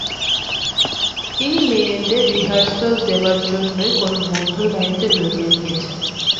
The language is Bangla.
আজ তিনি মেয়েদের রিহার্সাল দেওয়াইবার জন্যই কোনো বন্ধুর বাড়িতে লইয়া গিয়াছেন।